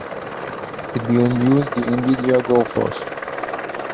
It will use the nVidia GoForce.